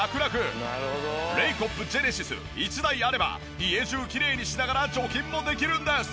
レイコップジェネシス１台あれば家中きれいにしながら除菌もできるんです。